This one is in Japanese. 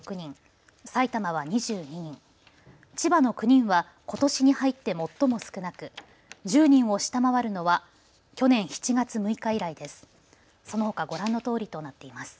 千葉の９人はことしに入って最も少なく１０人を下回るのは去年７月６日以来です。